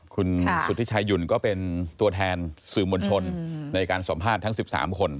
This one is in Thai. คุณสุธิชายุ่นก็เป็นตัวแทนสื่อมวลชนในการสัมภาษณ์ทั้ง๑๓คน